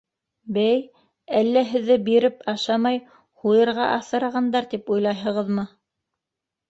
— Бәй, әллә һеҙҙе, биреп ашамай, һуйырға аҫырағандар, тип уйлайһығыҙмы?